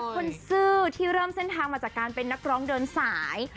ซื่อที่เริ่มเส้นทางมาจากการเป็นนักร้องเดินสาย